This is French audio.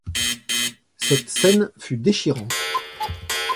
Cette scène fut déchirante